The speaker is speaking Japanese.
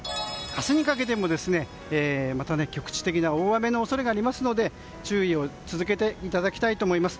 明日にかけてもまた局地的な大雨の恐れがありますので注意を続けていただきたいと思います。